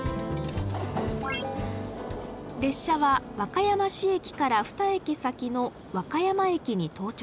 列車は和歌山市駅から２駅先の和歌山駅に到着。